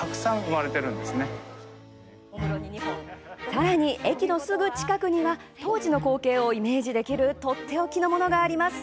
さらに、駅のすぐ近くには当時の光景をイメージできるとっておきのものがあります！